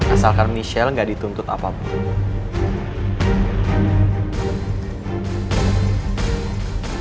asalkan michelle gak dituntut apapun